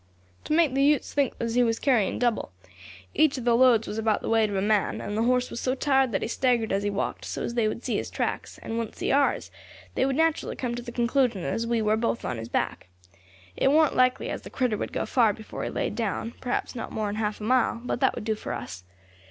"To make the Utes think as he was carrying double. Each of the loads was about the weight of a man, and the horse was so tired that he staggered as he walked; so as they would see his tracks, and wouldn't see ours, they would naturally come to the conclusion as we war both on his back. It warn't likely as the critter would go far before he laid down, perhaps not more than half a mile; but that would do for us.